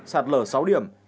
sạt lở sáu điểm